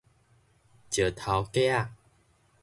石頭格仔